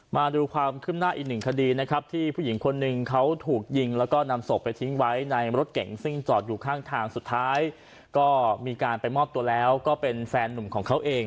มาดูความขึ้นหน้าอีกหนึ่งคดีนะครับที่ผู้หญิงคนหนึ่งเขาถูกยิงแล้วก็นำศพไปทิ้งไว้ในรถเก่งซึ่งจอดอยู่ข้างทางสุดท้ายก็มีการไปมอบตัวแล้วก็เป็นแฟนหนุ่มของเขาเอง